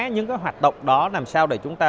những hoạt động đó làm sao để chúng ta